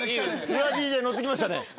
フワＤＪ乗ってきましたね。